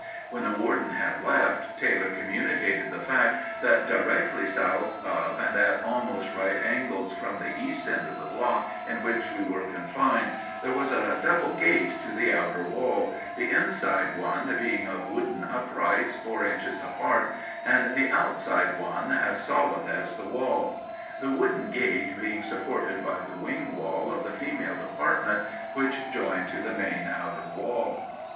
When the warden had left, Taylor communicated the fact that directly south of and at almost right angles from the east end of the block in which we were confined there was a double gate to the outer wall, the inside one being of wooden uprights four inches apart, and the outside one as solid as the wall; the wooden gate being supported by the wing wall of the female department, which joined to the main outer wall.